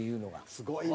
すごいな！